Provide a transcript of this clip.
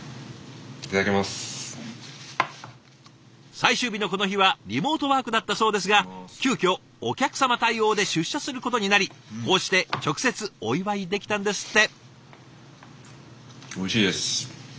最終日のこの日はリモートワークだったそうですが急きょお客様対応で出社することになりこうして直接お祝いできたんですって。